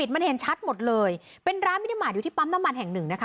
มันเห็นชัดหมดเลยเป็นร้านมินิมาตรอยู่ที่ปั๊มน้ำมันแห่งหนึ่งนะคะ